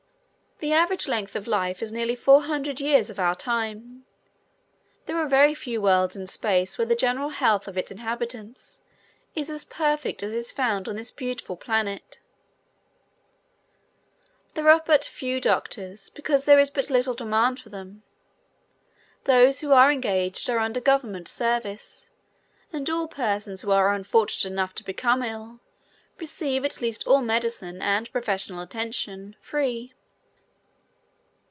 The average length of life is nearly four hundred years of our time. There are very few worlds in space where the general health of its inhabitants is as perfect as is found on this beautiful planet. There are but few doctors because there is but little demand for them. Those who are engaged are under government service, and all persons who are unfortunate enough to become ill receive at least all medicine and professional attention free.